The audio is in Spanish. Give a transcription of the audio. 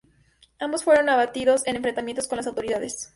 Ambos fueron abatidos en enfrentamientos con las autoridades.